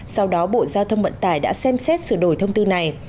sau đó bộ giao thông vận tải đã xem xét sửa đổi thông tư này